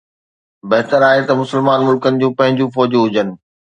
بهتر آهي ته مسلمان ملڪن جون پنهنجون فوجون هجن